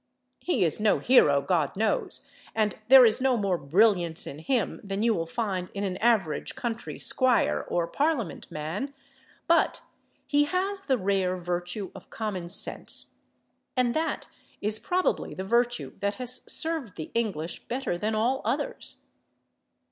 He is no hero, God knows, and there is no more brilliance in him than you will find in an average country squire or Parliament man, but he has the rare virtue of common sense, and that is probably the virtue that has served the English better than all others.